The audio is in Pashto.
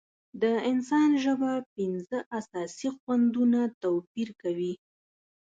د انسان ژبه پنځه اساسي خوندونه توپیر کوي.